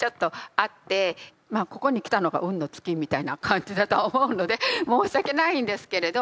まあここに来たのが運の尽きみたいな感じだとは思うので申し訳ないんですけれど。